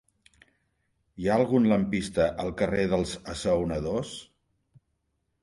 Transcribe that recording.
Hi ha algun lampista al carrer dels Assaonadors?